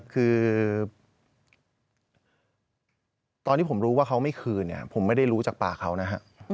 คือตอนที่ผมรู้ว่าเขาไม่คืนเนี่ยผมไม่ได้รู้จากปากเขานะฮะ